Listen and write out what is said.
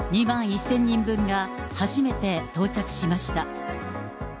２万１０００人分が初めて到着しました。